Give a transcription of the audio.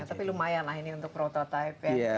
tapi lumayan lah ini untuk prototipe ya